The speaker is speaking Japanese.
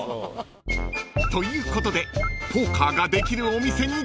［ということでポーカーができるお店に到着］